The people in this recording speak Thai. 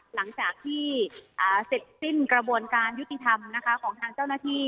หลังจากที่เสร็จสิ้นกระบวนการยุติธรรมนะคะของทางเจ้าหน้าที่